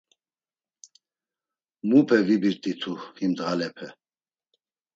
Mupe vibirt̆itu him ndğalepe!